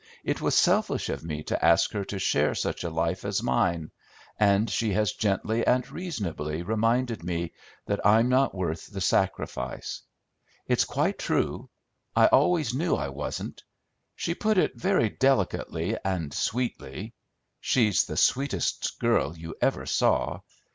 It was selfish of me to ask her to share such a life as mine; and she has gently and reasonably reminded me that I'm not worth the sacrifice. It's quite true. I always knew I wasn't. She put it very delicately and sweetly; she's the sweetest girl you ever saw.